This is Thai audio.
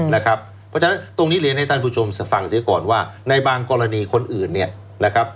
เพราะฉะนั้นตรงนี้เรียนให้ท่านผู้ชมฟังเสียก่อนว่าในบางกรณีคนอื่นเนี่ยนะครับ